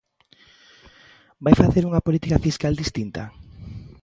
Vai facer unha política fiscal distinta?